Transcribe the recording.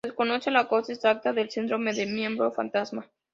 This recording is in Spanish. Se desconoce la causa exacta del síndrome del miembro fantasma.